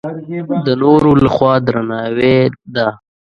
د نورو له خوا درناوی ده.